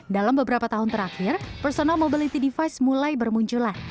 dalam beberapa tahun terakhir personal mobility device mulai bermunculan